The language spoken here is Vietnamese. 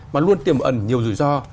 mà luôn tiềm ẩn nhiều rủi ro